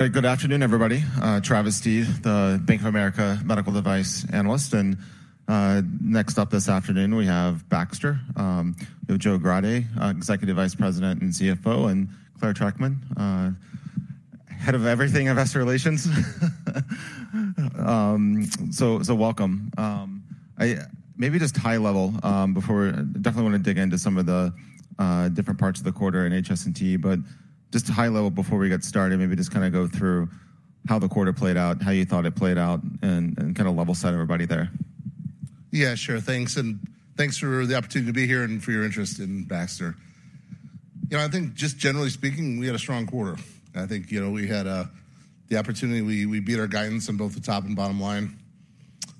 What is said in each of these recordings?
Hey, good afternoon, everybody. Travis Steed, the Bank of America Medical Device Analyst. And next up this afternoon, we have Baxter, Joel Grade, Executive Vice President and CFO, and Clare Trachtman, Head of Investor Relations. So welcome. Maybe just high level before... Definitely want to dig into some of the different parts of the quarter in HST, but just high level before we get started, maybe just kind of go through how the quarter played out, how you thought it played out, and kind of level set everybody there. Yeah, sure. Thanks, and thanks for the opportunity to be here and for your interest in Baxter. You know, I think just generally speaking, we had a strong quarter. I think, you know, we beat our guidance on both the top and bottom line.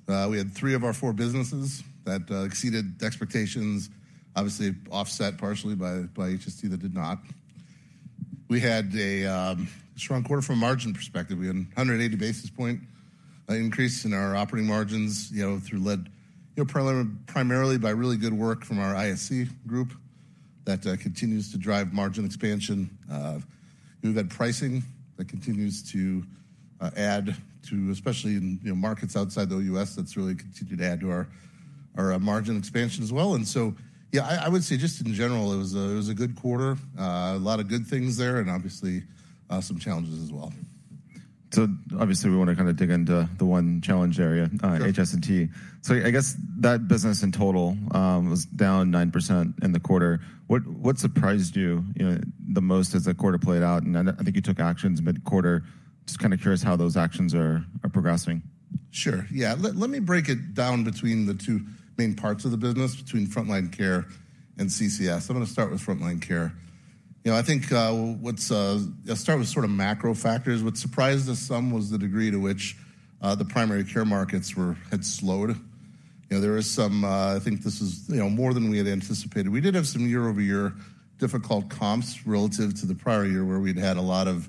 We had three of our four businesses that exceeded expectations, obviously offset partially by HST that did not. We had a strong quarter from a margin perspective. We had 180 basis points increase in our operating margins, you know, through led, you know, primarily by really good work from our ISC group that continues to drive margin expansion. We've had pricing that continues to add to... Especially in, you know, markets outside the US, that's really continued to add to our margin expansion as well. So, yeah, I would say just in general, it was a good quarter. A lot of good things there, and obviously, some challenges as well. So obviously, we want to kind of dig into the one challenge area. Sure. -HST. So I guess that business in total was down 9% in the quarter. What surprised you, you know, the most as the quarter played out? And I think you took actions mid-quarter. Just kind of curious how those actions are progressing. Sure. Yeah. Let me break it down between the two main parts of the business, between Front Line Care and CCS. I'm going to start with Front Line Care. You know, I think, I'll start with sort of macro factors. What surprised us some was the degree to which the primary care markets had slowed. You know, there is some, I think this is, you know, more than we had anticipated. We did have some year-over-year difficult comps relative to the prior year, where we'd had a lot of,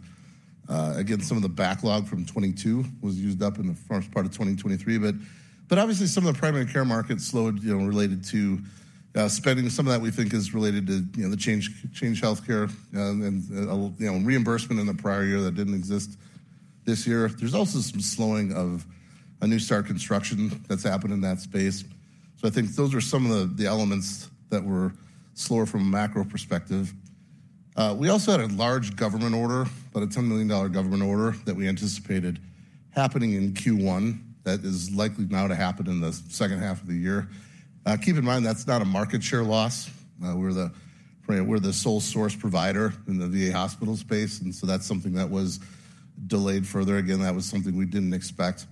again, some of the backlog from 2022 was used up in the first part of 2023. But obviously some of the primary care markets slowed, you know, related to spending. Some of that we think is related to, you know, the change in healthcare and, you know, reimbursement in the prior year that didn't exist this year. There's also some slowing of a new start construction that's happened in that space. So I think those are some of the elements that were slower from a macro perspective. We also had a large government order, about a $10 million government order, that we anticipated happening in Q1 that is likely now to happen in the second half of the year. Keep in mind, that's not a market share loss. We're the sole source provider in the VA hospital space, and so that's something that was delayed further. Again, that was something we didn't expect.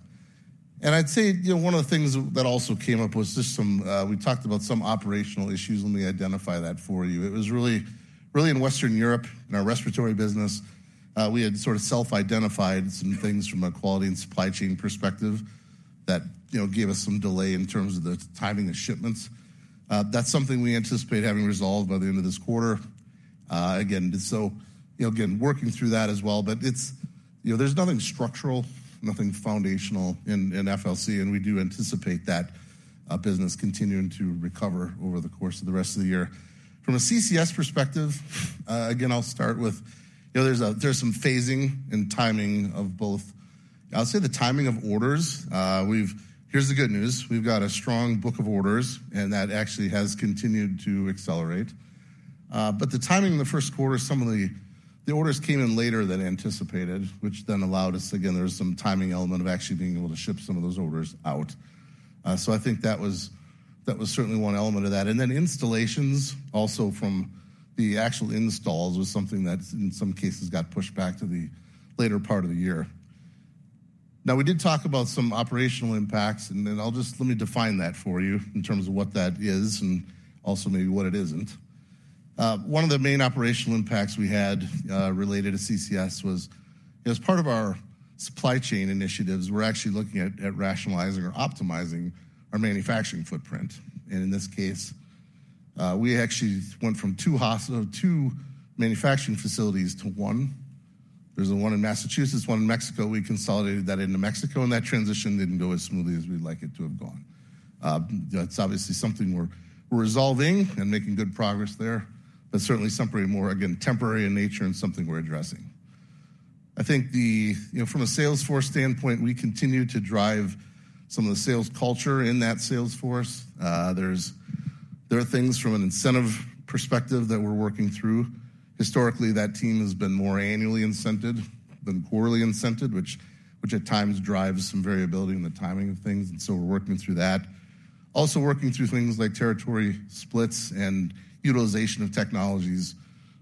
And I'd say, you know, one of the things that also came up was just some... We talked about some operational issues. Let me identify that for you. It was really, really in Western Europe, in our respiratory business, we had sort of self-identified some things from a quality and supply chain perspective that, you know, gave us some delay in terms of the timing of shipments. That's something we anticipate having resolved by the end of this quarter. Again, so, you know, again, working through that as well, but it's, you know, there's nothing structural, nothing foundational in FLC, and we do anticipate that business continuing to recover over the course of the rest of the year. From a CCS perspective, again, I'll start with, you know, there's some phasing and timing of both. I'll say the timing of orders. Here's the good news: We've got a strong book of orders, and that actually has continued to accelerate. But the timing in the first quarter, some of the orders came in later than anticipated, which then allowed us... Again, there was some timing element of actually being able to ship some of those orders out. So I think that was certainly one element of that. And then installations, also from the actual installs, was something that in some cases got pushed back to the later part of the year. Now, we did talk about some operational impacts, and then let me define that for you in terms of what that is and also maybe what it isn't. One of the main operational impacts we had related to CCS was, as part of our supply chain initiatives, we're actually looking at rationalizing or optimizing our manufacturing footprint. In this case, we actually went from two manufacturing facilities to one. There's the one in Massachusetts, one in Mexico. We consolidated that into Mexico, and that transition didn't go as smoothly as we'd like it to have gone. That's obviously something we're resolving and making good progress there. That's certainly something more, again, temporary in nature and something we're addressing. I think the... You know, from a sales force standpoint, we continue to drive some of the sales culture in that sales force. There are things from an incentive perspective that we're working through. Historically, that team has been more annually incented than quarterly incented, which at times drives some variability in the timing of things, and so we're working through that. Also working through things like territory splits and utilization of technologies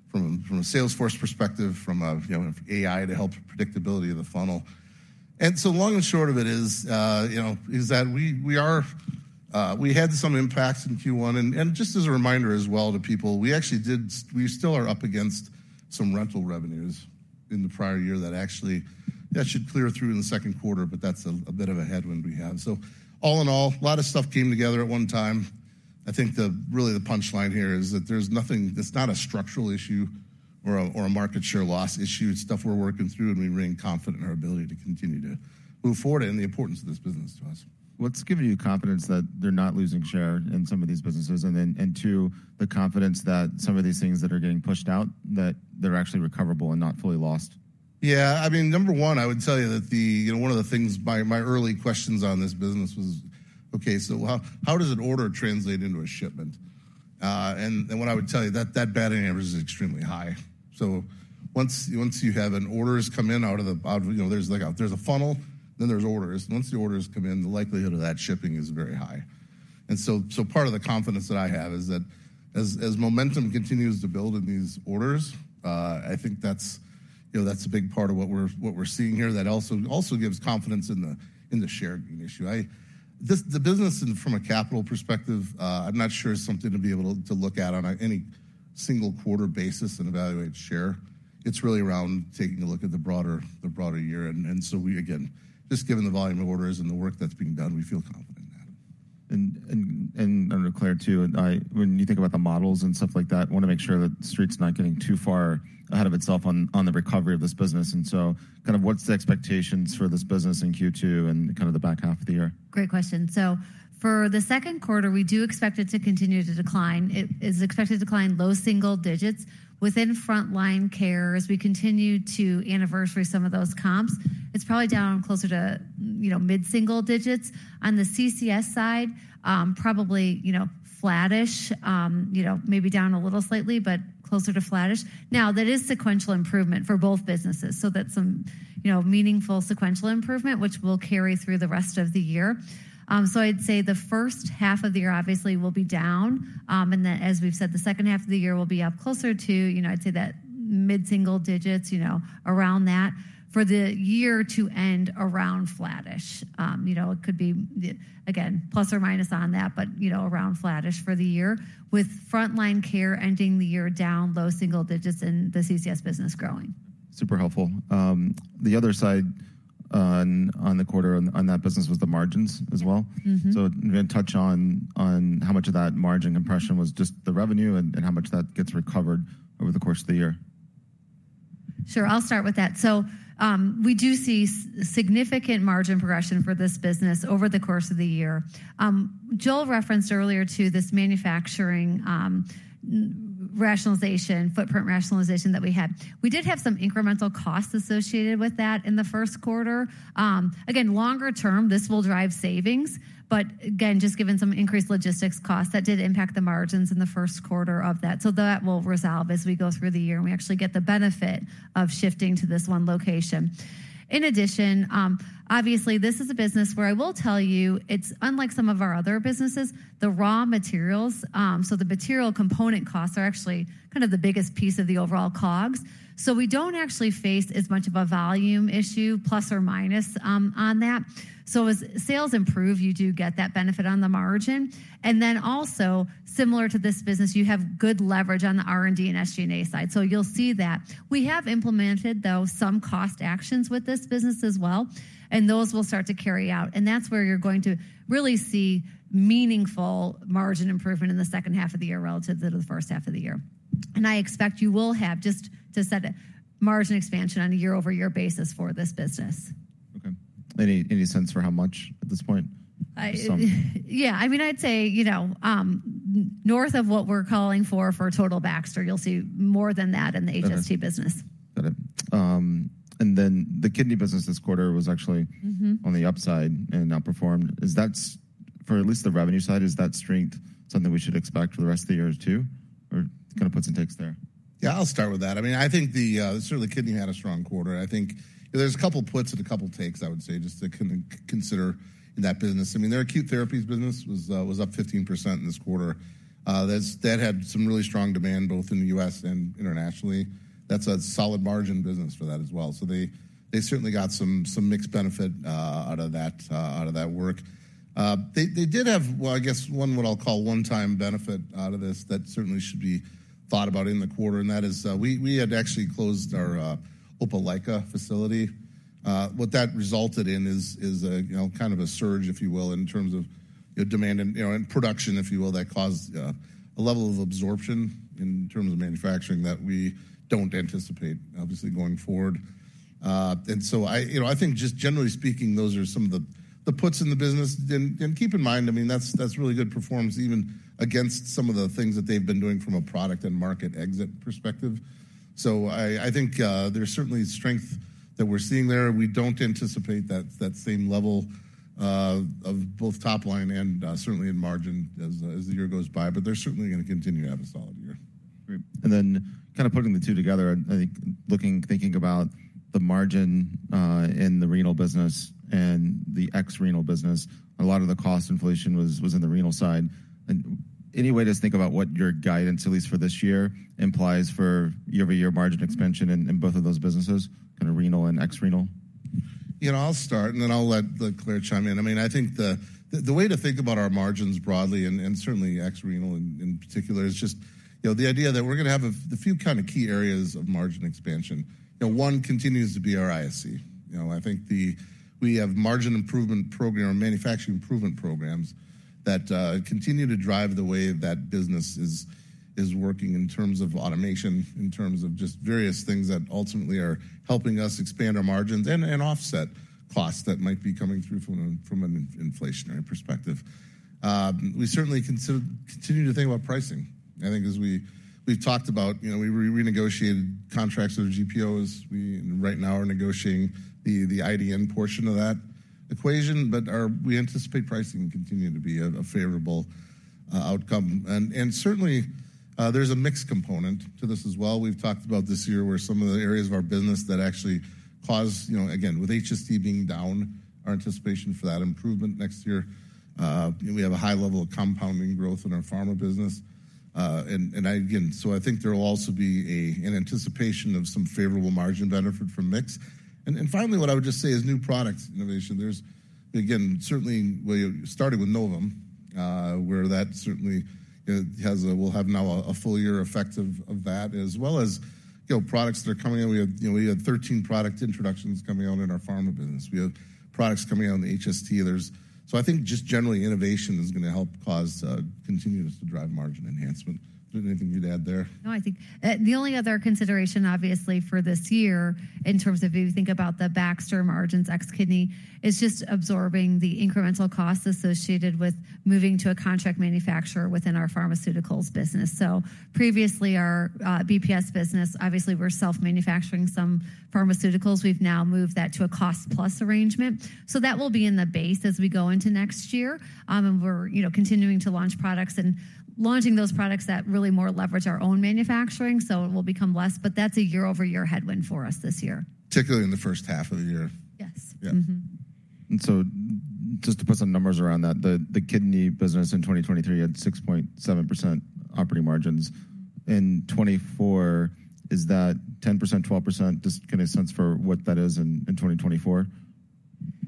from a sales force perspective, you know, AI to help predictability of the funnel. And so long and short of it is, you know, is that we had some impacts in Q1. And just as a reminder as well to people, we actually did, we still are up against some rental revenues in the prior year that actually should clear through in the second quarter, but that's a bit of a headwind we have. So all in all, a lot of stuff came together at one time. I think, really, the punchline here is that there's nothing—that's not a structural issue or a market share loss issue. It's stuff we're working through, and we remain confident in our ability to continue to move forward and the importance of this business to us. What's giving you confidence that they're not losing share in some of these businesses, and then, and two, the confidence that some of these things that are getting pushed out, that they're actually recoverable and not fully lost? Yeah, I mean, number one, I would tell you that the, you know, one of the things, my early questions on this business was, okay, so how does an order translate into a shipment? And what I would tell you that the batting average is extremely high. So once you have orders come in out of the, you know, there's like a funnel, then there's orders. Once the orders come in, the likelihood of that shipping is very high. And so part of the confidence that I have is that as momentum continues to build in these orders, I think that's, you know, that's a big part of what we're seeing here. That also gives confidence in the shipping issue. This, the business from a capital perspective, I'm not sure is something to be able to look at on a, any single quarter basis and evaluate share. It's really around taking a look at the broader, the broader year, and, and so we, again, just given the volume of orders and the work that's being done, we feel confident in that. Clare, too, and I—when you think about the models and stuff like that, I wanna make sure that the Street's not getting too far ahead of itself on the recovery of this business. So kind of what's the expectations for this business in Q2 and kind of the back half of the year? Great question. So for the second quarter, we do expect it to continue to decline. It is expected to decline low single digits within Front Line Care as we continue to anniversary some of those comps. It's probably down closer to, you know, mid-single digits. On the CCS side, probably, you know, flattish, you know, maybe down a little slightly, but closer to flattish. Now, that is sequential improvement for both businesses, so that's some, you know, meaningful sequential improvement, which will carry through the rest of the year. So I'd say the first half of the year obviously will be down, and then, as we've said, the second half of the year will be up closer to, you know, I'd say that mid-single digits, you know, around that. For the year to end around flattish. You know, it could be, again, plus or minus on that, but, you know, around flattish for the year, with Front Line Care ending the year down low single digits and the CCS business growing. Super helpful. The other side on the quarter on that business was the margins as well. Mm-hmm. So again, touch on how much of that margin compression was just the revenue and how much that gets recovered over the course of the year. Sure, I'll start with that. So, we do see significant margin progression for this business over the course of the year. Joel referenced earlier to this manufacturing, rationalization, footprint rationalization that we had. We did have some incremental costs associated with that in the first quarter. Again, longer term, this will drive savings, but again, just given some increased logistics costs, that did impact the margins in the first quarter of that. So that will resolve as we go through the year, and we actually get the benefit of shifting to this one location. In addition, obviously, this is a business where I will tell you, it's unlike some of our other businesses, the raw materials, so the material component costs are actually kind of the biggest piece of the overall COGS. So we don't actually face as much of a volume issue, plus or minus, on that. So as sales improve, you do get that benefit on the margin. And then also, similar to this business, you have good leverage on the R&D and SG&A side. So you'll see that. We have implemented, though, some cost actions with this business as well, and those will start to carry out, and that's where you're going to really see meaningful margin improvement in the second half of the year relative to the first half of the year. And I expect you will have, just to set it, margin expansion on a year-over-year basis for this business. Okay. Any sense for how much at this point? Some- Yeah, I mean, I'd say, you know, north of what we're calling for for total Baxter, you'll see more than that in the HST business. Got it. The kidney business this quarter was actually- Mm-hmm. on the upside and outperformed. For at least the revenue side, is that strength something we should expect for the rest of the year, too? Or kind of puts and takes there? Yeah, I'll start with that. I mean, I think the certainly kidney had a strong quarter. I think there's a couple puts and a couple takes, I would say, just to consider in that business. I mean, their Acute Therapies business was up 15% in this quarter. That's had some really strong demand, both in the U.S. and internationally. That's a solid margin business for that as well. So they certainly got some mixed benefit out of that work. They did have, well, I guess, one what I'll call one-time benefit out of this that certainly should be thought about in the quarter, and that is, we had actually closed our Opelika facility. What that resulted in is, you know, kind of a surge, if you will, in terms of the demand and, you know, and production, if you will, that caused a level of absorption in terms of manufacturing that we don't anticipate, obviously, going forward. And so I, you know, I think just generally speaking, those are some of the puts in the business. Then keep in mind, I mean, that's really good performance, even against some of the things that they've been doing from a product and market exit perspective. So I think there's certainly strength that we're seeing there. We don't anticipate that same level of both top line and certainly in margin as the year goes by, but they're certainly going to continue to have a solid year. Great. And then kind of putting the two together, I think, looking, thinking about the margin in the renal business and the ex-renal business, a lot of the cost inflation was in the renal side. And any way to think about what your guidance, at least for this year, implies for year-over-year margin expansion in both of those businesses, kind of renal and ex-renal? You know, I'll start, and then I'll let, let Clare chime in. I mean, I think the, the way to think about our margins broadly and, and certainly ex renal in, in particular, is just, you know, the idea that we're gonna have a, a few kind of key areas of margin expansion. You know, one continues to be our ISC. You know, I think the-- we have margin improvement program, manufacturing improvement programs that continue to drive the way that business is, is working in terms of automation, in terms of just various things that ultimately are helping us expand our margins and, and offset costs that might be coming through from an, from an inflationary perspective. We certainly continue to think about pricing. I think as we, we've talked about, you know, we, we renegotiated contracts with GPOs. We right now are negotiating the IDN portion of that equation, but we anticipate pricing to continue to be a favorable outcome. And certainly there's a mix component to this as well. We've talked about this year, where some of the areas of our business that actually cause, you know, again, with HST being down, our anticipation for that improvement next year. We have a high level of compounding growth in our pharma business. And again, so I think there will also be an anticipation of some favorable margin benefit from mix. And finally, what I would just say is new products innovation. There's again certainly we started with Novum, where that certainly we'll have now a full year effect of that, as well as, you know, products that are coming in. We have, you know, we had 13 product introductions coming out in our pharma business. We have products coming out in the HST. There's. So I think just generally, innovation is going to help cause continue to drive margin enhancement. Is there anything you'd add there? No, I think, the only other consideration, obviously, for this year, in terms of if you think about the Baxter margins ex kidney, is just absorbing the incremental costs associated with moving to a contract manufacturer within our Pharmaceuticals business. So previously, our BPS business, obviously, we're self-manufacturing some Pharmaceuticals. We've now moved that to a cost-plus arrangement. So that will be in the base as we go into next year. And we're, you know, continuing to launch products and launching those products that really more leverage our own manufacturing, so it will become less, but that's a year-over-year headwind for us this year. Particularly in the first half of the year. Yes. Yeah. Mm-hmm. And so just to put some numbers around that, the kidney business in 2023 had 6.7% operating margins. In 2024, is that 10%, 12%? Just get a sense for what that is in 2024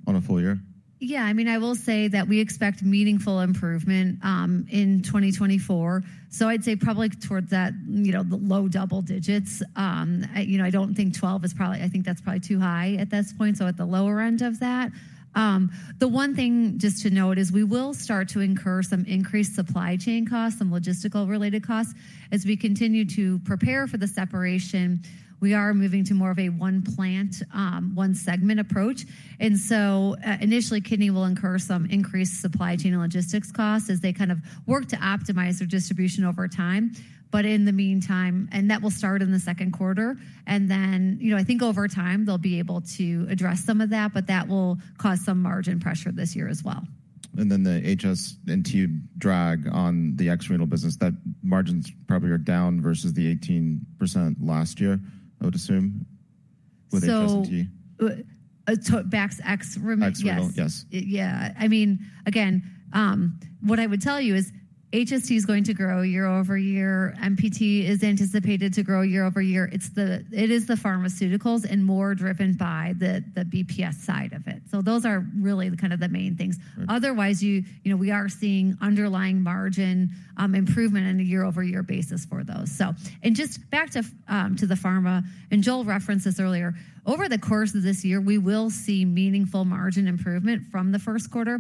on a full year. Yeah, I mean, I will say that we expect meaningful improvement in 2024. So I'd say probably towards that, you know, the low double digits. You know, I don't think 12 is probably-- I think that's probably too high at this point, so at the lower end of that. The one thing just to note is we will start to incur some increased supply chain costs, some logistical related costs. As we continue to prepare for the separation, we are moving to more of a one plant, one segment approach. And so, initially, kidney will incur some increased supply chain and logistics costs as they kind of work to optimize their distribution over time. That will start in the second quarter, and then, you know, I think over time, they'll be able to address some of that, but that will cause some margin pressure this year as well. Then the HST drag on the ex-renal business, that margins probably are down versus the 18% last year, I would assume, with HST? So, Baxter renal. Ex-renal, yes. Yeah. I mean, again, what I would tell you is HST is going to grow year over year. MPT is anticipated to grow year over year. It is the Pharmaceuticals and more driven by the BPS side of it. So those are really kind of the main things. Okay. Otherwise, you know, we are seeing underlying margin improvement on a year-over-year basis for those. So and just back to the pharma, and Joel referenced this earlier. Over the course of this year, we will see meaningful margin improvement from the first quarter.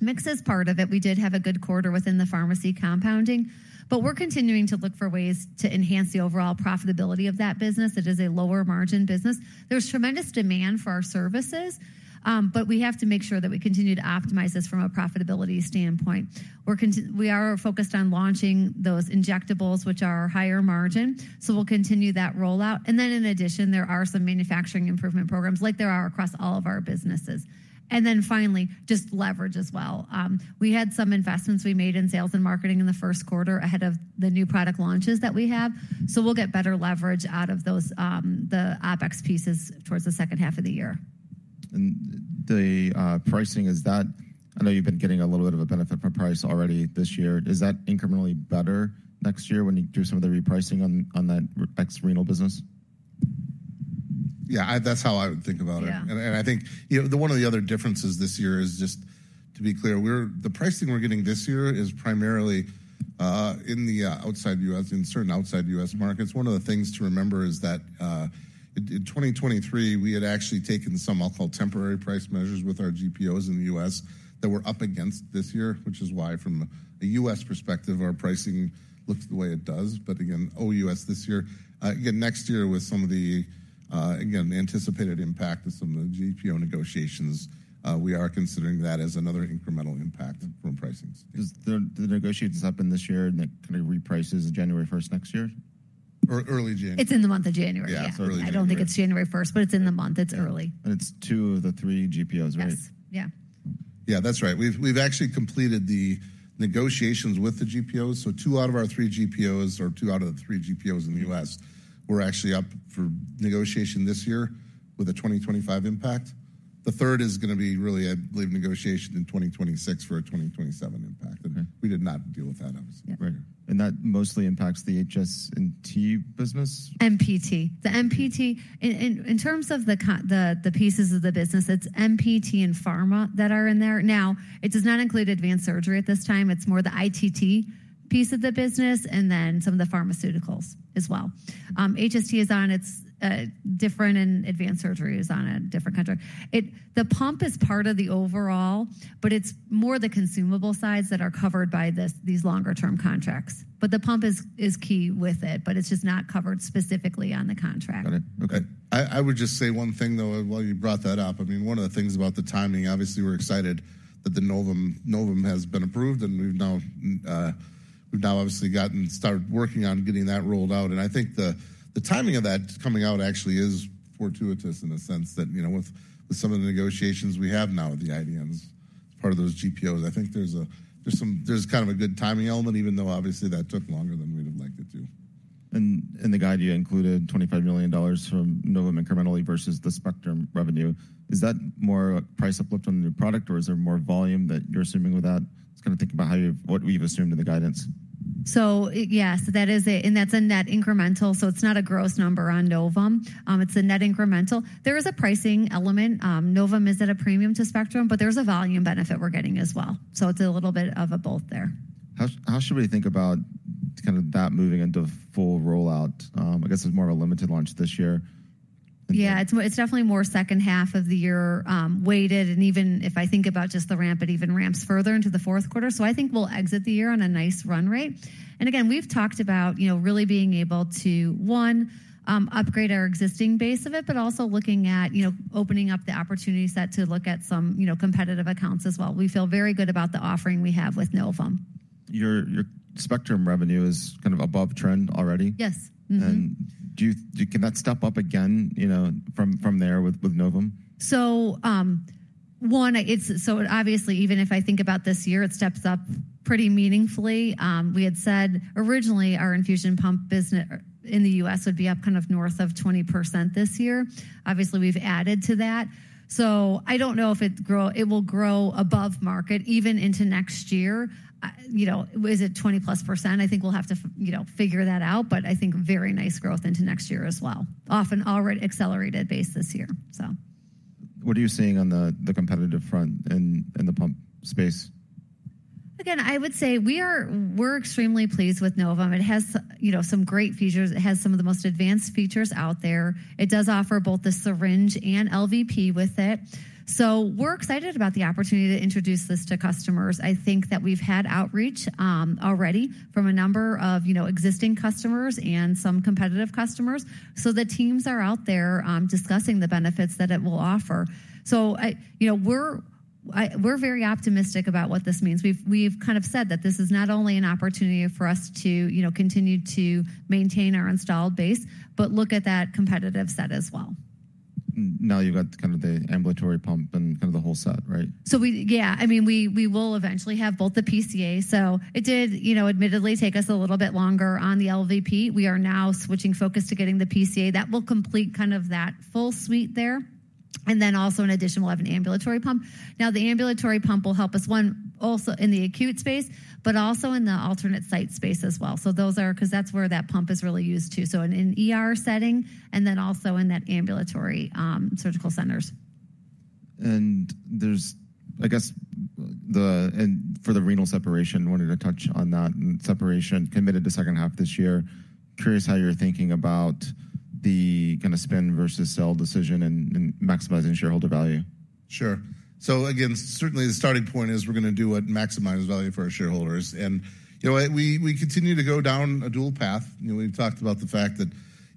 Mix is part of it. We did have a good quarter within the pharmacy compounding, but we're continuing to look for ways to enhance the overall profitability of that business. It is a lower margin business. There's tremendous demand for our services, but we have to make sure that we continue to optimize this from a profitability standpoint. We are focused on launching those injectables, which are higher margin, so we'll continue that rollout. And then in addition, there are some manufacturing improvement programs like there are across all of our businesses. And then finally, just leverage as well. We had some investments we made in sales and marketing in the first quarter ahead of the new product launches that we have. So we'll get better leverage out of those, the OpEx pieces towards the second half of the year. The pricing, is that—I know you've been getting a little bit of a benefit from price already this year. Is that incrementally better next year when you do some of the repricing on that ex-renal business? Yeah, that's how I would think about it. Yeah. I think, you know, one of the other differences this year is just, to be clear, we're the pricing we're getting this year is primarily in the outside US, in certain outside US markets. One of the things to remember is that in 2023, we had actually taken some I'll call temporary price measures with our GPOs in the US that were up against this year, which is why, from a US perspective, our pricing looks the way it does. But again, OUS this year, again, next year, with some of the again, the anticipated impact of some of the GPO negotiations, we are considering that as another incremental impact from pricing. Is the negotiations happen this year, and that kind of reprices January first next year? Early January. It's in the month of January. Yeah, it's early January. I don't think it's January first, but it's in the month. It's early. It's two of the three GPOs, right? Yes. Yeah. Yeah, that's right. We've actually completed the negotiations with the GPOs. So two out of the three GPOs in the US- Mm-hmm. were actually up for negotiation this year with a 2025 impact. The third is gonna be really, I believe, negotiation in 2026 for a 2027 impact. Okay. We did not deal with that obviously. Yeah. Right. And that mostly impacts the HST business? MPT. The MPT, in terms of the pieces of the business, it's MPT and pharma that are in there. Now, it does not include Advanced Surgery at this time. It's more the ITT piece of the business and then some of the Pharmaceuticals as well. HST is on its different, and Advanced Surgery is on a different contract. The pump is part of the overall, but it's more the consumable sides that are covered by this, these longer-term contracts. But the pump is key with it, but it's just not covered specifically on the contract. Got it. Okay. I would just say one thing, though, while you brought that up. I mean, one of the things about the timing, obviously, we're excited that the Novum has been approved, and we've now, we've now obviously gotten started working on getting that rolled out. And I think the timing of that coming out actually is fortuitous in a sense that, you know, with some of the negotiations we have now with the IDNs, part of those GPOs. I think there's some kind of a good timing element, even though obviously that took longer than we'd have liked it to. In the guide, you included $25 million from Novum incrementally versus the Spectrum revenue. Is that more price uplift on the new product, or is there more volume that you're assuming with that? Just kinda thinking about what we've assumed in the guidance. Yes, that is it, and that's a net incremental, so it's not a gross number on Novum. It's a net incremental. There is a pricing element. Novum is at a premium to Spectrum, but there's a volume benefit we're getting as well. So it's a little bit of a both there. How, how should we think about kind of that moving into full rollout? I guess it's more of a limited launch this year. Yeah, it's, it's definitely more second half of the year weighted, and even if I think about just the ramp, it even ramps further into the fourth quarter. So I think we'll exit the year on a nice run rate. And again, we've talked about, you know, really being able to, one, upgrade our existing base of it, but also looking at, you know, opening up the opportunity set to look at some, you know, competitive accounts as well. We feel very good about the offering we have with Novum. Your Spectrum revenue is kind of above trend already? Yes. Mm-hmm. Can that step up again, you know, from there with Novum? So, obviously, even if I think about this year, it steps up pretty meaningfully. We had said originally, our infusion pump business in the US would be up kind of north of 20% this year. Obviously, we've added to that, so I don't know if it will grow above market even into next year. You know, is it 20%+? I think we'll have to, you know, figure that out, but I think very nice growth into next year as well, off an already accelerated base this year, so. What are you seeing on the competitive front in the pump space? Again, I would say we're extremely pleased with Novum. It has, you know, some great features. It has some of the most advanced features out there. It does offer both the syringe and LVP with it. So we're excited about the opportunity to introduce this to customers. I think that we've had outreach already from a number of, you know, existing customers and some competitive customers. So the teams are out there discussing the benefits that it will offer. So, you know, we're very optimistic about what this means. We've kind of said that this is not only an opportunity for us to, you know, continue to maintain our installed base, but look at that competitive set as well. Now you've got kind of the ambulatory pump and kind of the whole set, right? So we, yeah, I mean, we, we will eventually have both the PCA. So it did, you know, admittedly take us a little bit longer on the LVP. We are now switching focus to getting the PCA. That will complete kind of that full suite there, and then also in addition, we'll have an ambulatory pump. Now, the ambulatory pump will help us, one, also in the acute space, but also in the alternate site space as well. So those are, 'cause that's where that pump is really used to. So in an ER setting and then also in that ambulatory surgical centers. For the renal separation, wanted to touch on that. Separation committed to second half this year. Curious how you're thinking about the kinda spin versus sell decision and maximizing shareholder value. Sure. So again, certainly the starting point is we're gonna do what maximizes value for our shareholders. And, you know, we continue to go down a dual path. You know, we've talked about the fact that,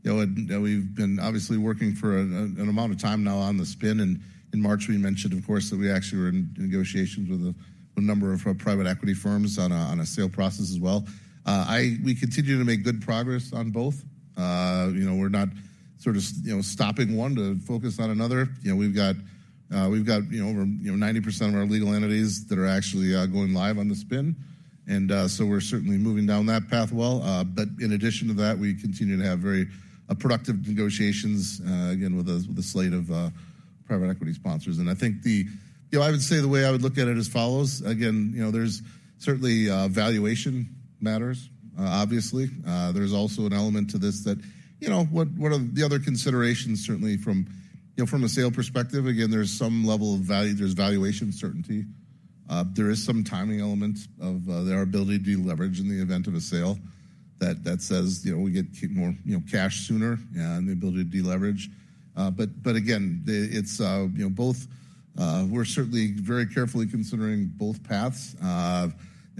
you know, we've been obviously working for an amount of time now on the spin, and in March, we mentioned, of course, that we actually were in negotiations with a number of private equity firms on a sale process as well. We continue to make good progress on both. You know, we're not sort of, you know, stopping one to focus on another. You know, we've got, you know, over 90% of our legal entities that are actually going live on the spin. And so we're certainly moving down that path well. But in addition to that, we continue to have very productive negotiations, again, with a slate of private equity sponsors. And I think... You know, I would say the way I would look at it as follows: again, you know, there's certainly valuation matters, obviously. There's also an element to this that, you know, what are the other considerations, certainly from, you know, from a sale perspective, again, there's some level of value, there's valuation certainty. There is some timing elements of their ability to deleverage in the event of a sale that says, you know, we get to keep more, you know, cash sooner and the ability to deleverage. But again, it's, you know, both... We're certainly very carefully considering both paths.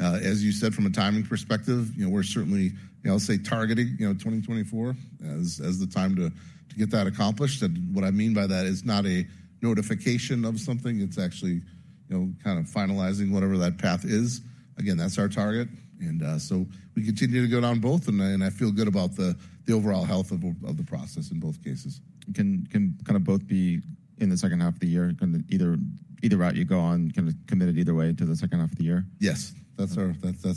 As you said, from a timing perspective, you know, we're certainly, you know, I'll say targeting, you know, 2024 as the time to get that accomplished. And what I mean by that is not a notification of something. It's actually, you know, kind of finalizing whatever that path is. Again, that's our target, and so we continue to go down both, and I feel good about the overall health of the process in both cases. Can kind of both be in the second half of the year, kind of either route you go on, kind of committed either way into the second half of the year? Yes. That's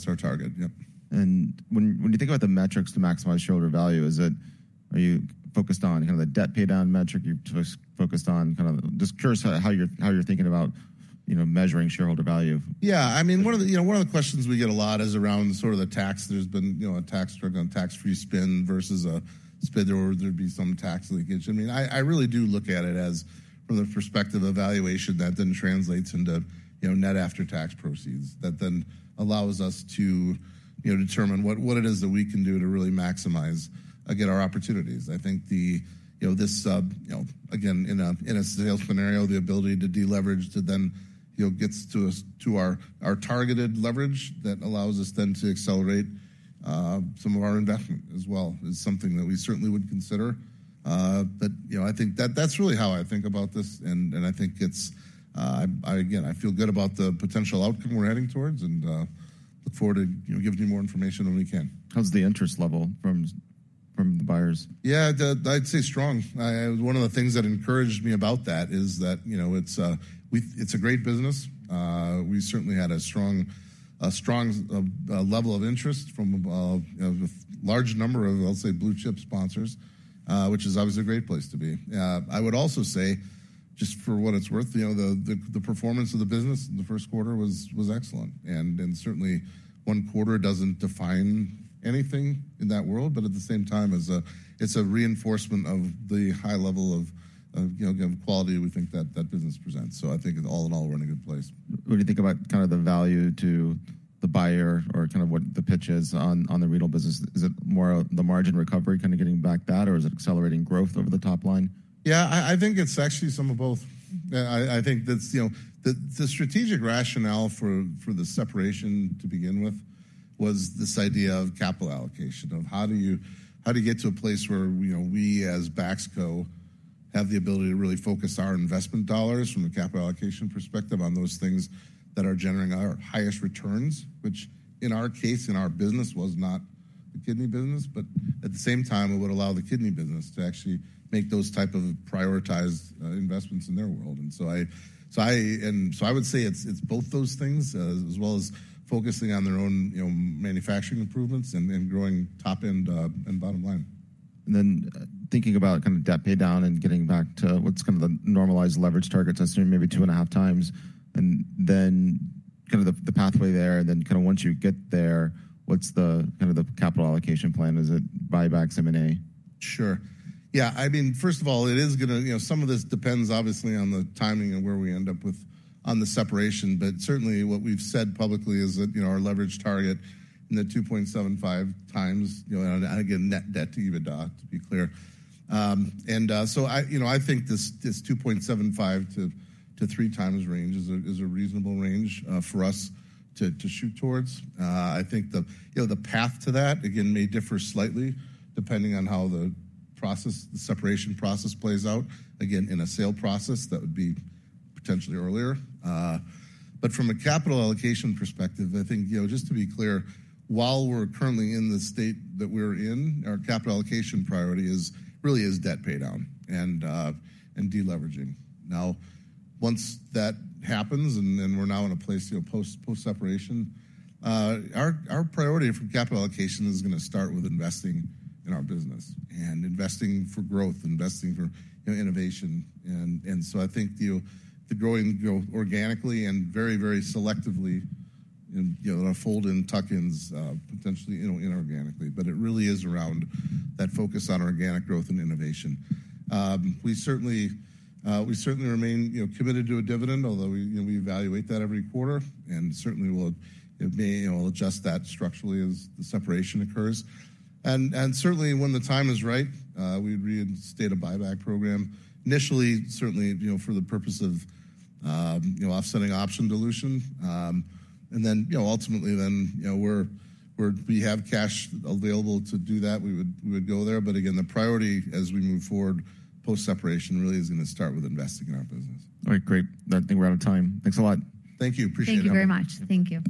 our target. Yep. When you think about the metrics to maximize shareholder value, is it, are you focused on kind of the debt pay down metric? You focused on kind of, just curious how you're thinking about, you know, measuring shareholder value. Yeah, I mean, one of the, you know, one of the questions we get a lot is around sort of the tax. There's been, you know, a tax on tax-free spin versus a spin or there'd be some tax leakage. I mean, I, I really do look at it as from the perspective of valuation that then translates into, you know, net after-tax proceeds, that then allows us to, you know, determine what, what it is that we can do to really maximize, again, our opportunities. I think the, you know, this sub, you know, again, in a, in a sales scenario, the ability to deleverage to then, you know, gets to us, to our, our targeted leverage, that allows us then to accelerate some of our investment as well, is something that we certainly would consider. But, you know, I think that that's really how I think about this, and I think it's, again, I feel good about the potential outcome we're heading towards and look forward to, you know, giving you more information when we can. How's the interest level from the buyers? Yeah, I'd say strong. One of the things that encouraged me about that is that, you know, it's a great business. We certainly had a strong level of interest from, you know, a large number of, I'll say, blue-chip sponsors, which is obviously a great place to be. I would also say, just for what it's worth, you know, the performance of the business in the first quarter was excellent, and certainly one quarter doesn't define anything in that world, but at the same time, it's a reinforcement of the high level of, you know, quality we think that that business presents. So I think all in all, we're in a good place. When you think about kind of the value to the buyer or kind of what the pitch is on the rental business, is it more of the margin recovery kind of getting back that, or is it accelerating growth over the top line? Yeah, I think it's actually some of both. I think that's, you know, the strategic rationale for the separation, to begin with, was this idea of capital allocation, of how do you get to a place where, you know, we, as Baxter, have the ability to really focus our investment dollars from a capital allocation perspective on those things that are generating our highest returns, which in our case, in our business, was not the kidney business, but at the same time, it would allow the kidney business to actually make those type of prioritized investments in their world. And so I would say it's both those things, as well as focusing on their own, you know, manufacturing improvements and growing top end and bottom line. And then thinking about kind of debt paydown and getting back to what's kind of the normalized leverage targets, assuming maybe 2.5x, and then kind of the pathway there, and then kind of once you get there, what's the kind of the capital allocation plan? Is it buybacks, M&A? Sure. Yeah, I mean, first of all, it is gonna... You know, some of this depends obviously on the timing and where we end up with on the separation. But certainly, what we've said publicly is that, you know, our leverage target in the 2.75 times, you know, again, net debt to EBITDA, to be clear. And, so I, you know, I think this, this 2.75-3 times range is a reasonable range, for us to shoot towards. I think the, you know, the path to that, again, may differ slightly, depending on how the process, the separation process plays out. Again, in a sale process, that would be potentially earlier. But from a capital allocation perspective, I think, you know, just to be clear, while we're currently in the state that we're in, our capital allocation priority is, really is debt paydown and, and deleveraging. Now, once that happens and, and we're now in a place, you know, post, post-separation, our, our priority for capital allocation is gonna start with investing in our business and investing for growth, investing for, you know, innovation. And, and so I think, you know, the growing, you know, organically and very, very selectively and, you know, fold in tuck-ins, potentially, you know, inorganically. But it really is around that focus on organic growth and innovation. We certainly remain, you know, committed to a dividend, although we, you know, we evaluate that every quarter, and certainly we'll, you know, may, you know, adjust that structurally as the separation occurs. And certainly, when the time is right, we'd reinstate a buyback program. Initially, certainly, you know, for the purpose of, you know, offsetting option dilution, and then, you know, ultimately then, you know, we have cash available to do that, we would go there. But again, the priority as we move forward, post-separation, really is gonna start with investing in our business. All right, great. I think we're out of time. Thanks a lot. Thank you. Appreciate it. Thank you very much. Thank you.